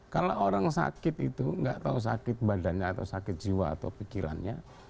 kalau orang sakit itu nggak tahu sakit badannya atau sakit jiwa atau pikirannya